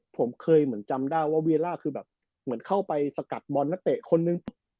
ผมเคยเหมือนจำได้ว่าเวลล่าคือแบบเหมือนเข้าไปสกัดบอลนักเตะคนนึง